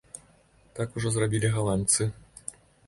Так ужо зрабілі галандцы.